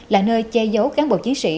là nơi che giấu cán bộ chiến sĩ